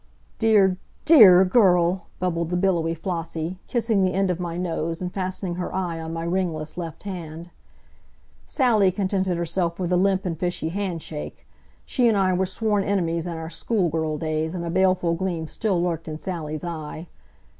"Dear, DEAR girl!" bubbled the billowy Flossie, kissing the end of my nose and fastening her eye on my ringless left hand. Sally contented herself with a limp and fishy handshake. She and I were sworn enemies in our school girl days, and a baleful gleam still lurked in Sally's eye.